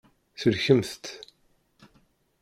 Sellkemt-t.